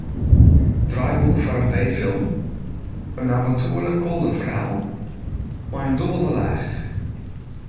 Draaiboek foar in b-film, in aventoerlik kolderferhaal, mei in dûbelde laach.